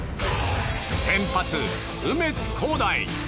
先発、梅津晃大。